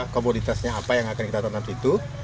komoditasnya apa yang akan kita tonat itu